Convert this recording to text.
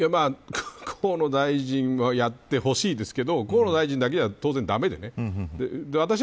河野大臣はやってほしいですけど河野大臣だけじゃ、当然駄目でね